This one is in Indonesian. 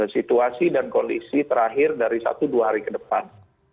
situasi dan kondisi terakhir dari satu dua hari ke depan